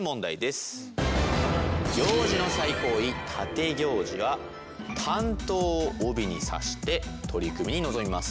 行司の最高位立行司は短刀を帯に差して取組に臨みます。